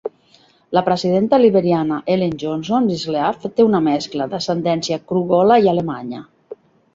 La presidenta liberiana Ellen Johnson Sirleaf té una mescla d'ascendència kru, gola i alemanya.